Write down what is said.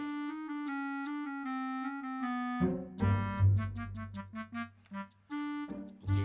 ya gue mau nikah sama rung